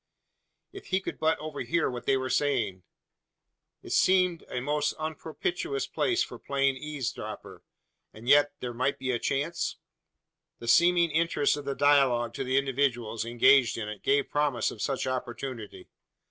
If he could but overhear what they were saying? It seemed a most unpropitious place for playing eavesdropper; and yet there might be a chance? The seeming interest of the dialogue to the individuals engaged in it gave promise of such opportunity.